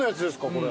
これ。